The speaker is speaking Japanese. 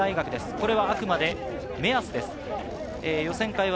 これはあくまで目安です。